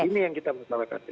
ini yang kita masalahkan